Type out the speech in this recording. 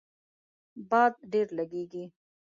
باد ډیر لږیږي